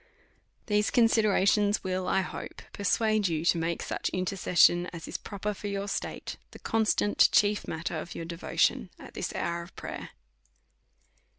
These considerations will, I hope, persuade you to make such intercession as is proper for your state, the constant, chief matter of your devotion at this hour of prayer.